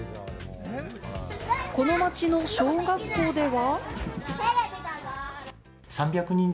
この町の小学校では。